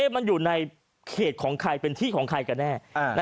มันอยู่ในเขตของใครเป็นที่ของใครกันแน่